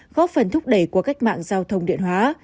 góp phần thúc đẩy của các mạng giao thông điện hóa